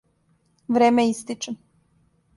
Време истиче.